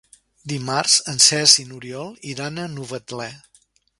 Dimarts en Cesc i n'Oriol iran a Novetlè.